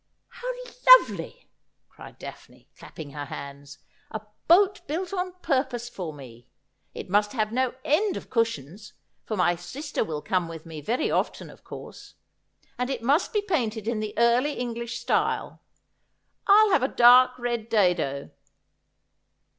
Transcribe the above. ' How lovely,' cried Daphne, clapping her hands. ' A boat built on purpose for me ! It must have no end of cushions, for my sister will come with me very often, of course. And it must be painted in the early English style. I'll have a dark red dado.'